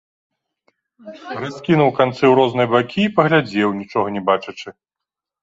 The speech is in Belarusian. Раскінуў канцы ў розныя бакі і паглядзеў, нічога не бачачы.